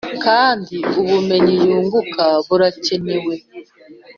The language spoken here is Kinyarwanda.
kandi ubumenyi yunguka burakenewe,